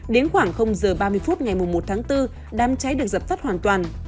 đến khoảng h ba mươi phút ngày một tháng bốn đám cháy được dập tắt hoàn toàn